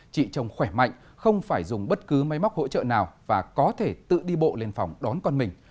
chị trông khỏe mạnh không phải dùng bất cứ máy móc hỗ trợ nào và có thể tự đi bộ lên phòng đón con mình